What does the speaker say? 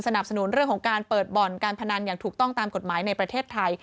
สนุนเรื่องของการเปิดบ่อนการพนันอย่างถูกต้องตามกฎหมายในประเทศไทย